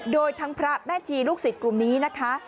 โดยทั้งพระแม่ชีลูกศิษย์กลุ่มนี้นะคะ